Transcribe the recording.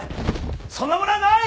そんなものはない！